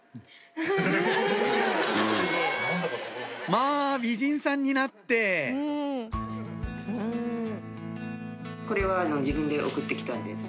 まぁ美人さんになってこれは自分で送って来たんです。